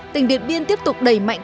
tỉnh điện biên tiếp tục đẩy mạnh